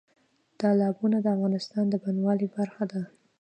تالابونه د افغانستان د بڼوالۍ برخه ده.